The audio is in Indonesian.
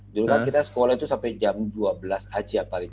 dulu kan kita sekolah itu sampai jam dua belas aja paling